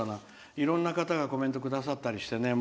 いろんな方がコメントをくださったりしてね